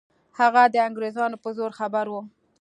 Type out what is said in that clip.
هغه د انګریزانو په زور خبر وو.